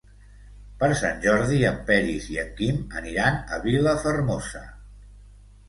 Per Sant Jordi en Peris i en Quim aniran a Vilafermosa.